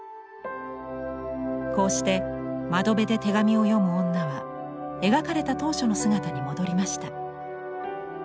こうして「窓辺で手紙を読む女」は描かれた当初の姿に戻りました。